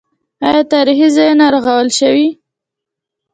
آیا تاریخي ځایونه رغول شوي؟